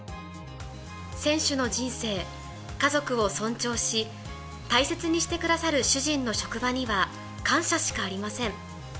選手の人生、家族を尊重し、大切にしてくださる主人の職場には感謝しかありません。